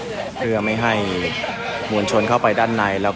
การประตูกรมทหารที่สิบเอ็ดเป็นภาพสดขนาดนี้นะครับ